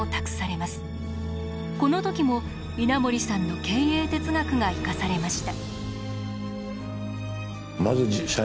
この時も稲盛さんの経営哲学が生かされました。